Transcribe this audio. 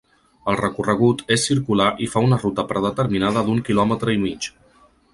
El recorregut és circular i fa una ruta predeterminada d’un quilòmetre i mig.